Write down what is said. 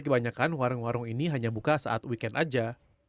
kebanyakan warung warung ini hanya buka saat weekend saja